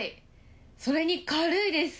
それに軽いです。